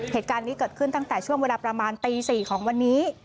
เหตุการณ์นี้เกิดขึ้นตั้งแต่ช่วงเวลาประมาณตี๔ของวันนี้